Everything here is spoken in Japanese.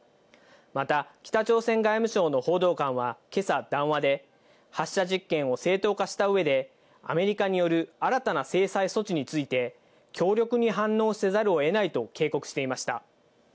また、北朝鮮外務省の報道官はけさ談話で、発射実験を正当化したうえで、アメリカによる新たな制裁措置について、強力に反応せざるをえないと警告していました。